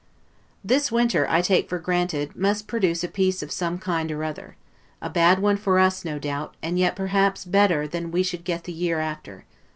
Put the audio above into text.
This winter, I take for granted, must produce a piece of some kind or another; a bad one for us, no doubt, and yet perhaps better than we should get the year after.